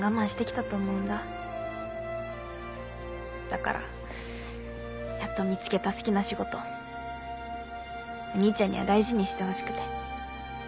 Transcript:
だからやっと見つけた好きな仕事お兄ちゃんには大事にしてほしくて。